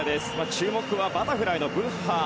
注目はバタフライのブッハー。